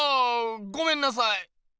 ごめんなさい。